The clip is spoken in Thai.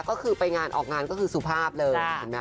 ก็คือไปงานออกงานก็คือสุภาพเลยเห็นไหม